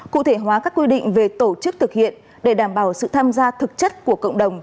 cụ thể hóa các quy định về tổ chức thực hiện để đảm bảo sự tham gia thực chất của cộng đồng